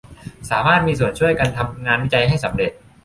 สามารถมีส่วนช่วยกันทำงานวิจัยให้สำเร็จ